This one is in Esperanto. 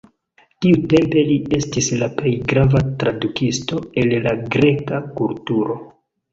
Tiutempe li estis la plej grava tradukisto el la greka kulturo.